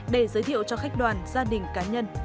để giới thiệu cho khách đoàn gia đình cá nhân